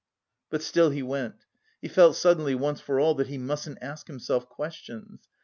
But still he went. He felt suddenly once for all that he mustn't ask himself questions.